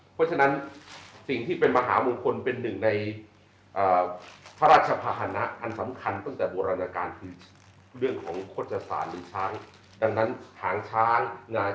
เพราะฉะนั้นสิ่งที่เป็นมหามงคลเป็นถึงในพระราชภาษณะ